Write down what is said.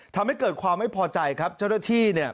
ทำให้เกิดความไม่พอใจครับเจ้าหน้าที่เนี่ย